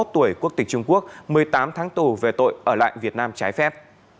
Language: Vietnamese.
hai mươi tuổi quốc tịch trung quốc một mươi tám tháng tù về tội ở lại việt nam trái phép